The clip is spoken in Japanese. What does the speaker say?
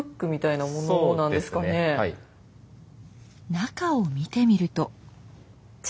中を見てみると。